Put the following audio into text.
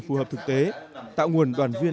phù hợp thực tế tạo nguồn đoàn viên